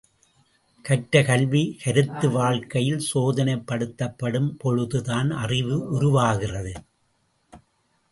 கற்ற கல்வி கருத்து வாழ்க்கையில் சோதனைப்படுத்தப்படும் பொழுது தான் அறிவு உருவாகிறது.